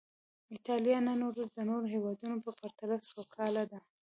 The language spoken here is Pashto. ایټالیا نن ورځ د نورو هېوادونو په پرتله سوکاله ده.